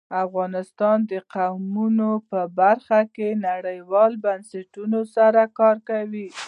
افغانستان د قومونه په برخه کې نړیوالو بنسټونو سره کار کوي.